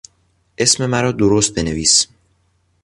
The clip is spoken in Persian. اسم مرا درست بنویس!